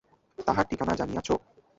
তাহার ঠিকানা জানিয়াছ?